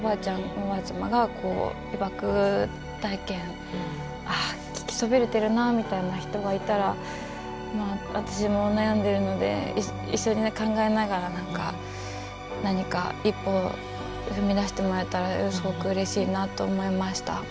おばあちゃまが被爆体験ああ聞きそびれてるなみたいな人がいたら私も悩んでるので一緒にね考えながら何か一歩踏み出してもらえたらすごくうれしいなと思いました。